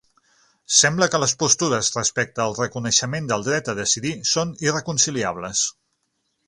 Sembla que les postures respecte al reconeixement del dret a decidir són irreconciliables.